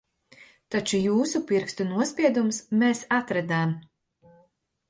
Taču jūsu pirkstu nospiedumus mēs atradām.